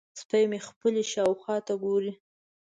سپی مې خپلې شاوخوا ته ګوري.